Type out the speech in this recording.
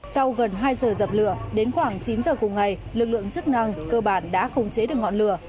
sau gần hai giờ dập lửa đến khoảng chín giờ cùng ngày lực lượng chức năng cơ bản đã không chế được ngọn lửa